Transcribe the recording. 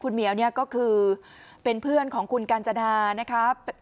เหมียวเนี่ยก็คือเป็นเพื่อนของคุณกาญจนานะครับ